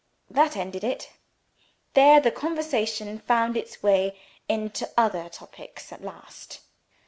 That ended it there the conversation found its way into other topics at last.